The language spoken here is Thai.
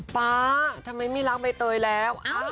ฟ้าทำไมไม่รักใบเตยแล้ว